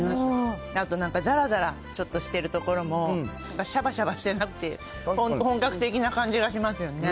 あとなんか、ざらざらちょっとしてるところも、しゃばしゃばしてなくて、本格的な感じがしますよね。